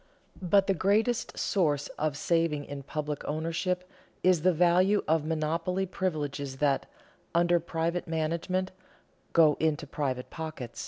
But the greatest source of saving in public ownership is the value of monopoly privileges that, under private management, go into private pockets.